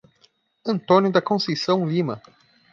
Antônio da Conceição Lima